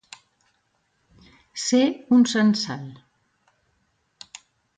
Ser un censal.